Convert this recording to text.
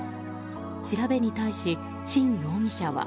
調べに対し、辛容疑者は。